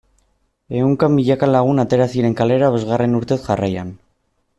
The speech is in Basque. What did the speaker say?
Ehunka milaka lagun atera ziren kalera bosgarren urtez jarraian.